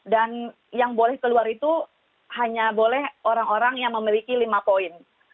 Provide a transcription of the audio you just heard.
yang boleh keluar itu hanya boleh orang orang yang memiliki lima poin